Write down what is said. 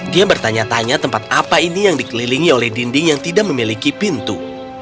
dia bertanya tanya tempat apa ini yang dikelilingi oleh dinding yang tidak memiliki pintu